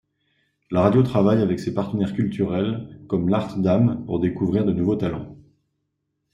La radio travaille avec ses partenaires culturels comme l'Artdam pour découvrir de nouveaux talents.